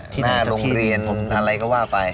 ที่๊ระลงเรียนอะไรก็ว่าไป